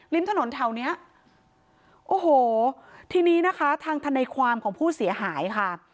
ถนนแถวเนี้ยโอ้โหทีนี้นะคะทางทนายความของผู้เสียหายค่ะ